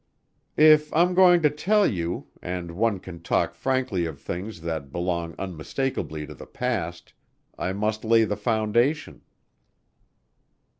"If I'm going to tell you and one can talk frankly of things that belong unmistakably to the past I must lay the foundation."